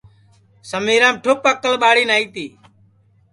سمیرام ٹُھپ اکل ٻاڑِ نائی تی